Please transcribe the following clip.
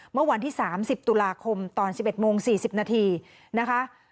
เมื่อวันที่๓๐ตุลาคมตอน๑๑โมง๔๐นาทีนะคะ